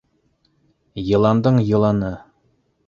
Йыландың йыланы!